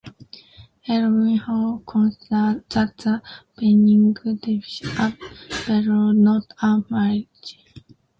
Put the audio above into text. Edwin Hall considers that the painting depicts a betrothal, not a marriage.